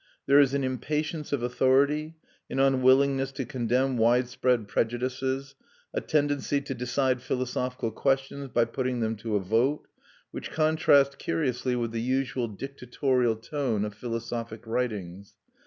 There is an impatience of authority, an unwillingness to condemn widespread prejudices, a tendency to decide philosophical questions by putting them to a vote, which contrast curiously with the usual dictatorial tone of philosophic writings....